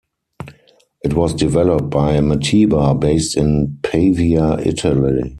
It was developed by Mateba, based in Pavia, Italy.